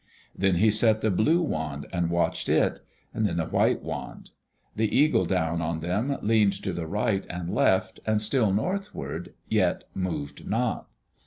Then he set the blue wand and watched it; then the white wand. The eagle down on them leaned to right and left and still northward, yet moved not.